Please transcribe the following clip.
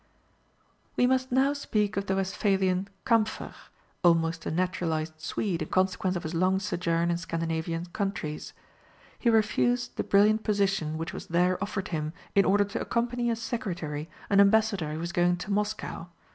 ] We must now speak of the Westphalian, Kæmpfer, almost a naturalized Swede in consequence of his long sojourn in Scandinavian countries. He refused the brilliant position which was there offered him in order to accompany as secretary, an ambassador who was going to Moscow.